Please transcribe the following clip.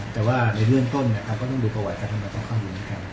แต่ว่าในเรื่องต้นก็ต้องดูประวัติการทำร้ายต้องเข้าในบริการ